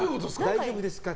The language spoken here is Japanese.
大丈夫ですか？